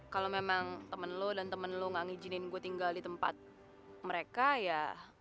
kalau memang temen lo dan temen lo gak ngizinin gue tinggal di tempat mereka ya